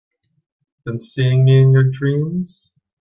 Been seeing me in your dreams?